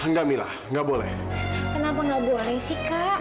kenapa gak boleh sih kak